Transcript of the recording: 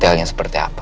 detailnya seperti apa